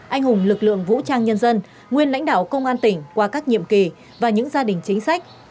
anh hùng lực lượng vũ trang nhân dân nguyên lãnh đạo công an tỉnh qua các nhiệm kỳ và những gia đình chính sách